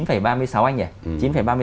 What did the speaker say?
chín ba mươi sáu anh nhỉ